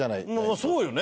そうよね。